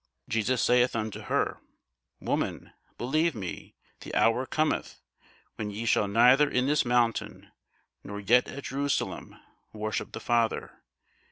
Jesus saith unto her, Woman, believe me, the hour cometh, when ye shall neither in this mountain, nor yet at Jerusalem, worship the Father.